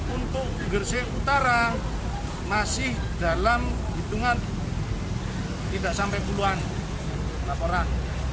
untuk gersik utara masih dalam hitungan tidak sampai puluhan laporan